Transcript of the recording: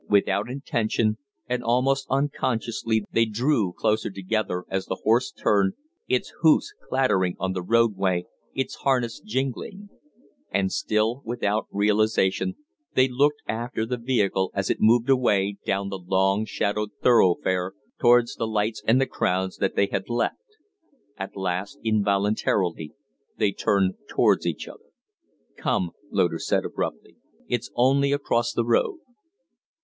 Without intention and almost unconsciously they drew closer together as the horse turned, its hoofs clattering on the roadway, its harness jingling; and, still without realization, they looked after the vehicle as it moved away down the long, shadowed thoroughfare towards the lights and the crowds that they had left. At last involuntarily they turned towards each other. "Come!" Loder said, abruptly. "It's only across the road."